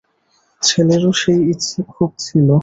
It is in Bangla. ছেলেরও সেই ইচ্ছে খুব ছিল।